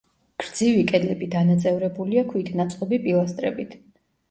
გრძივი კედლები დანაწევრებულია ქვით ნაწყობი პილასტრებით.